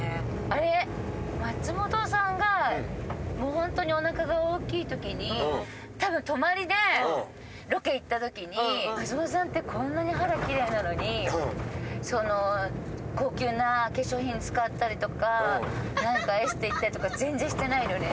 あれ松本さんがもうホントにお腹が大きい時に多分泊まりでロケ行った時に松本さんってこんなに肌キレイなのに高級な化粧品使ったりとか何かエステ行ったりとか全然してないのね。